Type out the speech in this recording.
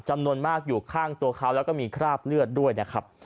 จำนวนมากอยู่ข้างตัวเขาแล้วก็มีคราบเลือดด้วยนะครับ